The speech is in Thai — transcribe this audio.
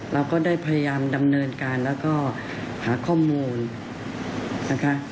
เราก็ได้พยายามดำเนินการแล้วก็หาข้อมูลนะคะ